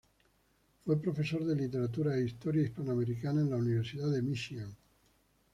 Fue profesor de Literatura e Historia Hispanoamericana en la Universidad de Míchigan.